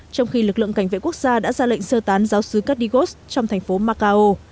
trong khi lực lượng cảnh vệ quốc gia đã ra lệnh sơ tán giáo sứ cardigos trong thành phố macao